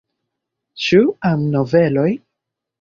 Ĉu amnoveloj?